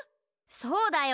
そうだよ。